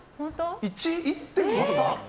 １．５とか？